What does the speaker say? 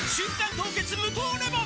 凍結無糖レモン」